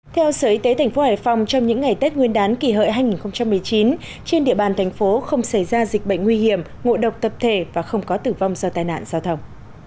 theo sở y tế tp hải phòng trong những ngày tết nguyên đán kỳ hợi hai nghìn một mươi chín trên địa bàn thành phố không xảy ra dịch bệnh nguy hiểm ngộ độc tập thể và không có tử vong do tai nạn giao thông